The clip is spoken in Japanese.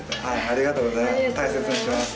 ありがとうございます。